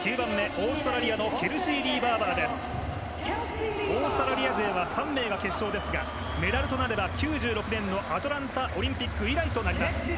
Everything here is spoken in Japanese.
オーストラリア勢は３名が決勝ですがメダルとなれば９６年のアトランタオリンピック以来となります。